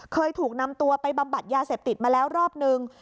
เคยถูกนำตัวไปบำบัดยาเสพติดมาแล้วรอบนึง